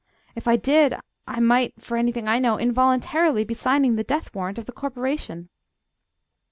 If I did, I might, for anything I know, involuntarily be signing the death warrant of the Corporation!"